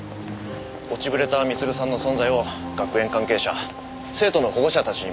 落ちぶれた光留さんの存在を学園関係者生徒の保護者たちにバレたら大ごとです。